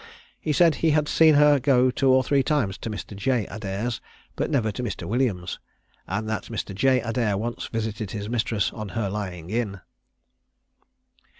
He said he had seen her go two or three times to Mr. J. Adair's, but never to William's; and that Mr. J. Adair once visited his mistress on her lying in.